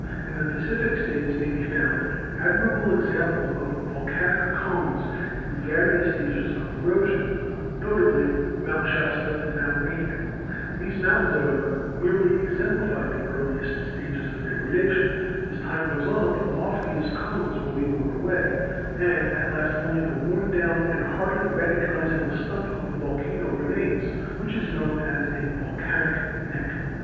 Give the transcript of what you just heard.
In the Pacific States may be found admirable examples of volcanic cones in various stages of erosion, notably Mt. Shasta and Mt. Rainier. These mountains, however, mere ly exemplify the earliest stages of degradation; as time 28 — Unconformity, Showing Sediments Laid Down, Eroded and New Series Deposited. goes on, the loftiest cones will be worn away, and at last only the worn down and hardly recognisable stump of the volcano remains, which is known as a volcanic neck.